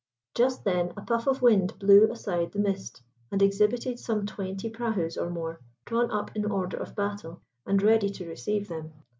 Just then a puff of wind blew aside the mist, and exhibited some twenty prahus or more drawn up in order of battle, and ready to receive them.